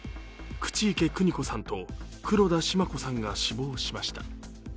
口池邦子さんと黒田シマ子さんが死亡しました。